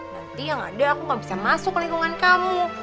nanti yang ada aku gak bisa masuk ke lingkungan kamu